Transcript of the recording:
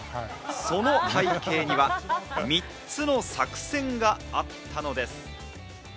その背景には３つの作戦があったのです。